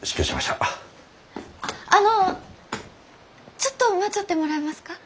ちょっと待ちよってもらえますか？